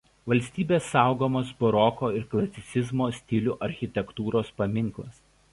Valstybės saugomas baroko ir klasicizmo stilių architektūros paminklas.